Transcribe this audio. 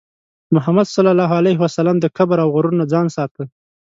محمد صلى الله عليه وسلم د کبر او غرور نه ځان ساته.